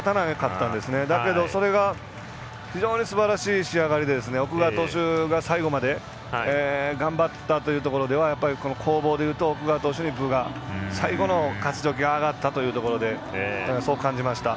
ただ、それが非常にすばらしい仕上がりで奥川投手が最後まで頑張ったというところではこの攻防では奥川選手に分が、最後の勝どきがあがったというところでそう感じました。